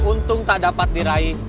untung tak dapat diraih